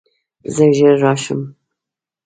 زه ژر راشم.